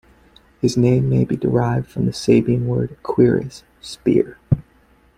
His name may be derived from the Sabine word "quiris" "spear.